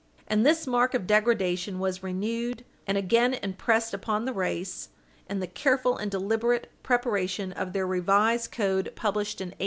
And this mark of degradation was renewed, and again impressed upon the race, in the careful and deliberate preparation of their revised code published in 1836.